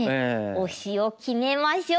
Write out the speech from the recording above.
推しを決めましょう！